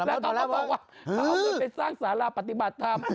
เขาจึงไปสร้างสารปฏิบัติธรรม